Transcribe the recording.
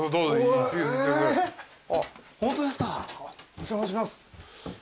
お邪魔します